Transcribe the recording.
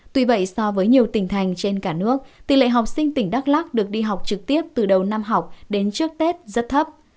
tuy vậy so với nhiều tỉnh thành trên cả nước tỷ lệ học sinh tỉnh đắk lắc được đi học trực tiếp từ đầu năm học đến trước tết rất thấp